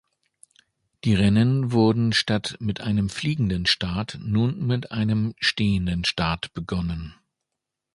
Die Rennen wurden statt mit einem fliegenden Start nun mit einem stehenden Start begonnen.